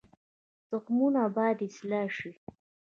تخمونه باید اصلاح شي